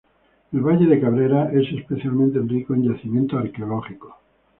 El valle de Cabrera es especialmente rico en yacimientos arqueológicos.